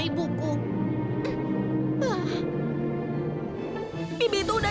aku ga pernah diinin turun ke bumi